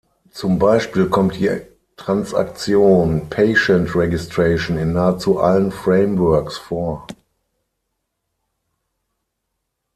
Zum Beispiel kommt die Transaktion „Patient Registration“ in nahezu allen Frameworks vor.